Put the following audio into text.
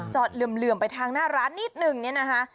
จอดเหลือมไปทางหน้าร้านนิดหนึ่งนี่นะคะ